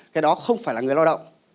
cái đó không phải là người lao động